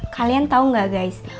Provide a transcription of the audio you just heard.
kalian tau gak guys